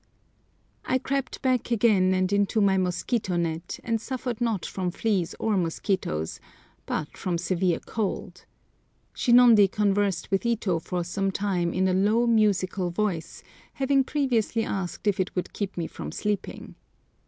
I crept back again and into my mosquito net, and suffered not from fleas or mosquitoes, but from severe cold. Shinondi conversed with Ito for some time in a low musical voice, having previously asked if it would keep me from sleeping.